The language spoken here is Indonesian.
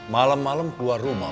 malem malem keluar rumah